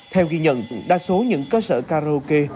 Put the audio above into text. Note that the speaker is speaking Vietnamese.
theo ghi nhận đa số những cơ sở karaoke